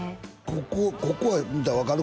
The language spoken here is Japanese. ここここは見たら分かる？